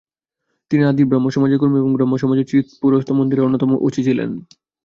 তিনি আদি ব্রাহ্মসমাজের কর্মী এবং ব্রাহ্মসমাজের চিৎপুরস্থ মন্দিরের অন্যতম অছি ছিলেন।